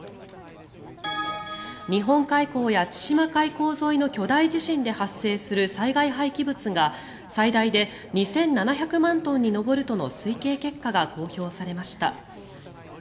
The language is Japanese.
日本海溝や千島海溝沿いの巨大地震で発生する災害廃棄物が最大で２７００万トンに上るとの推計結果が公表されました。